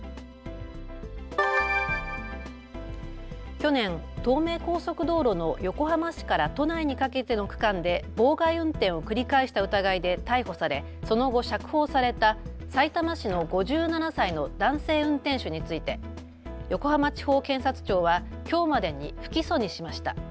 去年、東名高速道路の横浜市から都内にかけての区間で妨害運転を繰り返した疑いで逮捕されその後、釈放されたさいたま市の５７歳の男性運転手について横浜地方検察庁はきょうまでに不起訴にしました。